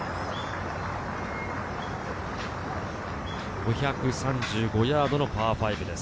５３５ヤードのパー５です。